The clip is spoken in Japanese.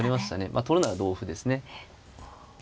まあ取るなら同歩ですね。